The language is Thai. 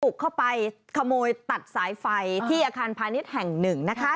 เข้าไปขโมยตัดสายไฟที่อาคารพาณิชย์แห่งหนึ่งนะคะ